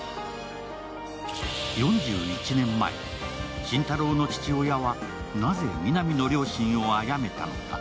４１年前、心太朗の父親はなぜ皆実の両親をあやめたのか。